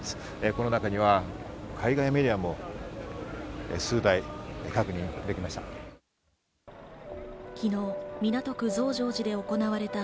この中には海外メディアも数台確認できました。